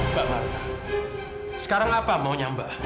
mbak marta sekarang apa maunya mbak